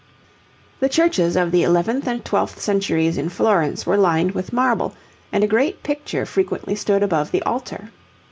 The churches of the eleventh and twelfth centuries in Florence were lined with marble, and a great picture frequently stood above the altar.